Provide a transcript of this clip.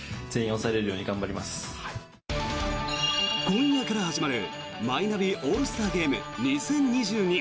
今夜から始まるマイナビオールスターゲーム２０２２。